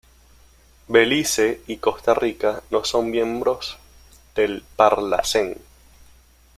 Belice y Costa Rica no son miembros del Parlacen.